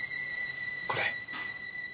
これ。